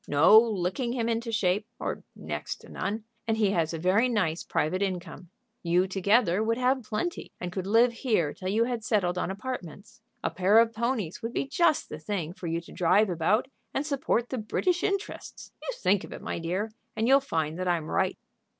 No licking him into shape, or next to none, and he has a very nice private income. You together would have plenty, and could live here till you had settled on apartments. A pair of ponies would be just the thing for you to drive about and support the British interests. You think of it, my dear, and you'll find that I'm right."